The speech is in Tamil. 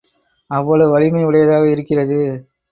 அவ்வளவு வலிமை உடையதாக இருக்கிறது.